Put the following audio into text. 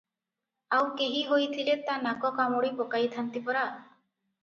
ଆଉ କେହି ହୋଇଥିଲେ ତା ନାକ କାମୁଡ଼ି ପକାଇଥାନ୍ତି ପରା?